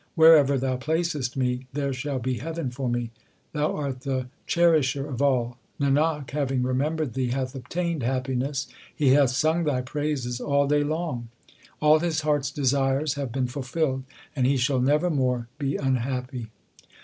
Wherever Thou placest me, there shall be heaven for me : Thou art the Cherisher of all. Nanak having remembered Thee hath obtained happiness. He hath sung Thy praises all day long ; All his heart s desires have been fulfilled, and he shall never more be unhappy.